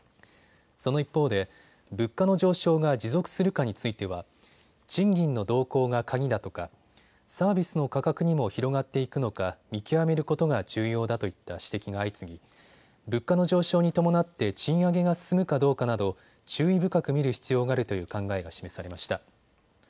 その一方で物価の上昇が持続するかについては賃金の動向が鍵だとかサービスの価格にも広がっていくのか見極めることが重要だといった指摘が相次ぎ物価の上昇に伴って賃上げが進むかどうかなど注意深く見る必要があるという考えを示されました。